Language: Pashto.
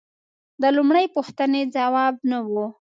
د لومړۍ پوښتنې ځواب نه و